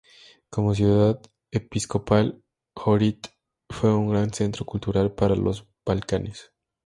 Como ciudad episcopal, Ohrid fue un gran centro cultural para los Balcanes.